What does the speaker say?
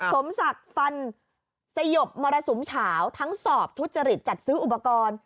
สมศักดิ์ฟันสยบมรสุมเฉาทั้งสอบทุจริตจัดซื้ออุปกรณ์